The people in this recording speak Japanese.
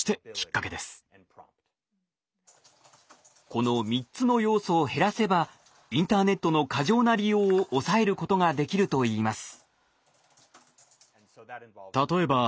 この３つの要素を減らせばインターネットの過剰な利用を抑えることができるといいます。